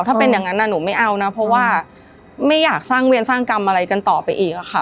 ถ้าเป็นอย่างนั้นหนูไม่เอานะเพราะว่าไม่อยากสร้างเวรสร้างกรรมอะไรกันต่อไปอีกอะค่ะ